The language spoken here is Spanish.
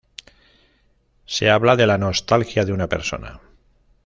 Se habla de la nostalgia de una persona.